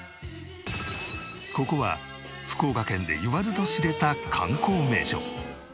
ここは福岡県で言わずと知れた観光名所。